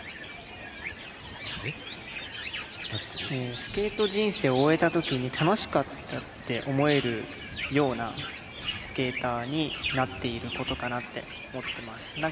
スケート人生を終えたときに楽しかったって思えるようなスケーターになっていることかなって思ってます。